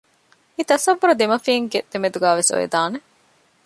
މި ތަޞައްވުރު ދެމަފިންގެ ދެމެދުގައި ވެސް އޮވެދާނެ